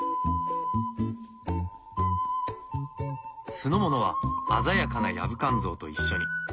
酢の物は鮮やかなヤブカンゾウと一緒に。